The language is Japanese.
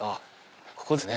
ここですね。